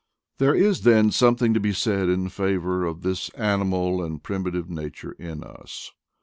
There is then something to be said in favor of this animal and primitive nature in us.